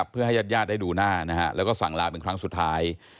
เพื่อให้ญาติญาติได้ดูหน้าแล้วก็สั่งลาเป็นครั้งสุดท้าย